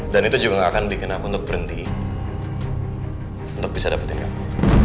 dan itu juga gak akan bikin aku untuk berhenti untuk bisa dapetin kamu